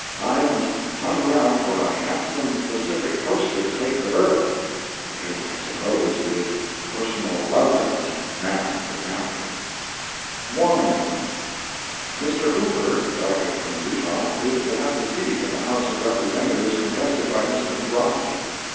I must hunt around for a handsome Pacific coaster to take the berth—because I suppose it is personal loveliness Nast is after. MORMONISM. Mr. Hooper, delegate from Utah, is to have the seat in the House of Representatives contested by Mr. McGrorty.